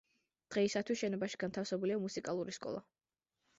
დღეისათვის შენობაში განთავსებულია მუსიკალური სკოლა.